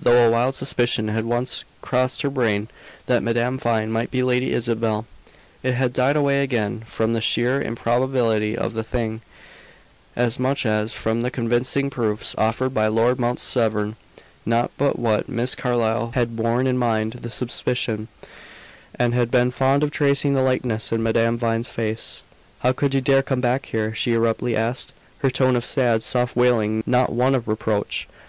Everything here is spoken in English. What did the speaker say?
Though a wild suspicion had once crossed her brain that Madame Vine might be Lady Isabel, it had died away again, from the sheer improbability of the thing, as much as from the convincing proofs offered by Lord Mount Severn. Not but what Miss Carlyle had borne in mind the suspicion, and had been fond of tracing the likeness in Madame Vine's face. "How could you dare come back here!" she abruptly asked, her tone of sad, soft wailing, not one of reproach.